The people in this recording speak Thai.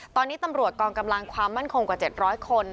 ตอนนี้ตำรวจกองกำลังความมั่นคงกว่า๗๐๐คน